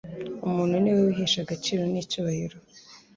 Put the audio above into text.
umuntu ni we wihesha agaciro n'icyubahiro,